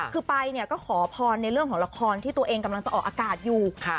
คือไปเนี่ยก็ขอพรในเรื่องของละครที่ตัวเองกำลังจะออกอากาศอยู่